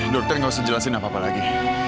dokter nggak usah jelasin apa apa lagi